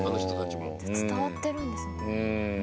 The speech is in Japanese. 秋元：伝わってるんですね。